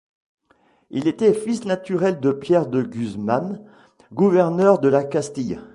Il était fils naturel de Pierre de Guzman, gouverneur de la Castille.